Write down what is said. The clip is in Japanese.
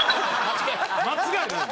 間違いない？